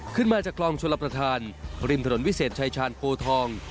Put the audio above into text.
ขึ้นมาจากคลองชลประธานริมถนนวิเศษชายชาญโพทอง